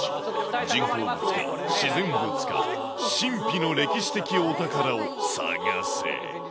人工物か、自然物か、神秘の歴史的お宝を探せ。